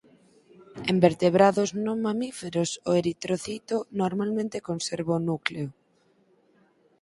En vertebrados non mamíferos o eritrocito normalmente conserva o núcleo.